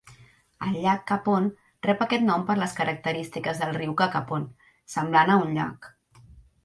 El llac Capon rep aquest nom per les característiques del riu Cacapon, semblant a un llac.